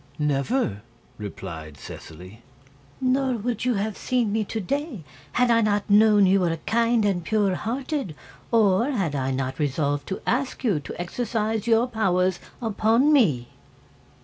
"Never," replied Seseley. "Nor would you have seen me to day, had I not known you were kind and pure hearted, or had I not resolved to ask you to exercise your powers upon me."